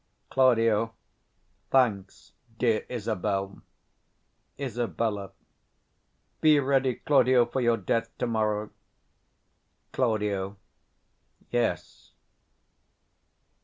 Claud. Thanks, dear Isabel. Isab. Be ready, Claudio, for your death to morrow. Claud. Yes.